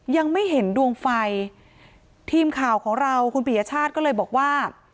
ยังไม่เห็นดวงไฟทีมข่าวของเราคุณปียชาติก็เลยบอกว่า